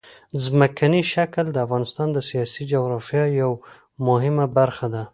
ځمکنی شکل د افغانستان د سیاسي جغرافیه یوه مهمه برخه ده.